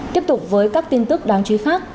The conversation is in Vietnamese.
tiếp tục với các tin tức đáng chú ý khác